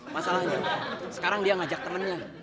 masalahnya sekarang dia ngajak temennya